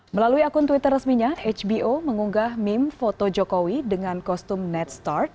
melalui akun twitter resminya hbo mengunggah meme foto jokowi dengan kostum net start